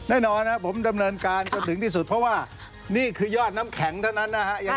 แน่นอนครับผมดำเนินการจนถึงที่สุดเพราะว่านี่คือยอดน้ำแข็งเท่านั้นนะฮะ